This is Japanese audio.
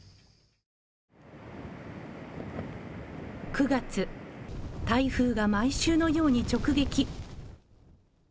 ９月台風が毎週のように直撃。